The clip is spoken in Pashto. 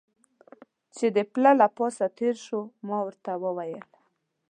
چې د پله له پاسه تېر شو، ما ورته وویل.